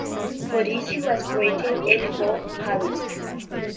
For this he was created Earl of Carlisle.